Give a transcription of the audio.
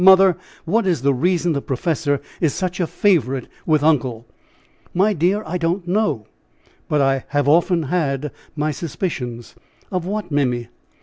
Mother! what is the reason the professor is such a favorite with uncle?" "My dear, I don't know, but I have often had my suspicions." "Of what, Mimmy?"